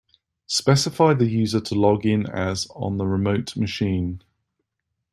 Specify the user to log in as on the remote machine.